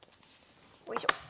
おいしょ。